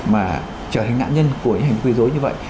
mà trở thành nạn nhân của những hành vi dối như vậy